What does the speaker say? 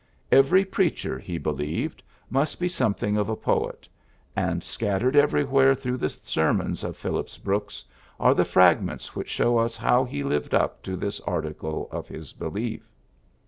Every preacher, he believed, must be something of a poet; and scattered everywhere through the sermons of Phil lips Brooks are the fragments which show us how he lived up to this article of his belief.